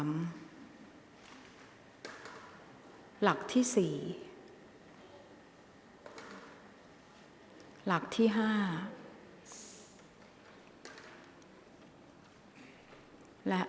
กรรมการท่านที่ห้าได้แก่กรรมการใหม่เลขเก้า